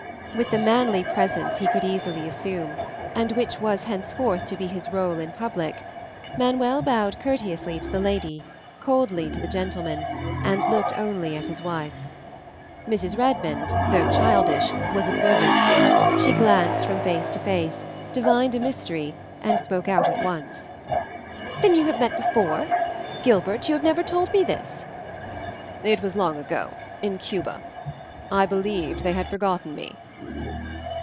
With the manly presence he could easily assume and which was henceforth to be his role in public, Manuel bowed courteously to the lady, coldly to the gentleman, and looked only at his wife. Mrs. Redmond, though childish, was observant; she glanced from face to face, divined a mystery, and spoke out at once. "Then you have met before? Gilbert, you have never told me this." "It was long ago in Cuba. I believed they had forgotten me."